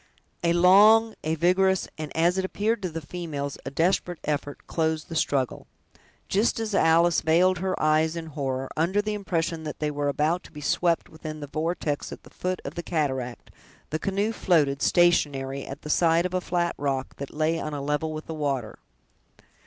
A long, a vigorous, and, as it appeared to the females, a desperate effort, closed the struggle. Just as Alice veiled her eyes in horror, under the impression that they were about to be swept within the vortex at the foot of the cataract, the canoe floated, stationary, at the side of a flat rock, that lay on a level with the water.